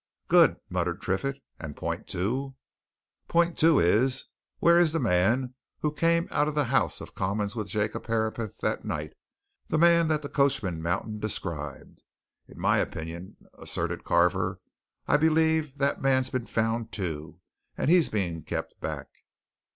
"Good!" muttered Triffitt. "And point two?" "Point two is where is the man who came out of the House of Commons with Jacob Herapath that night, the man that the coachman Mountain described? In my opinion," asserted Carver, "I believe that man's been found, too, and he's being kept back."